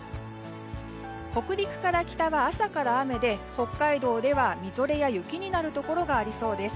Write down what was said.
北陸から北は朝から雨で北海道では、みぞれや雪になるところがありそうです。